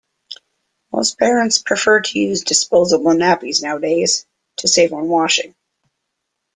Most parents prefer to use disposable nappies nowadays, to save on washing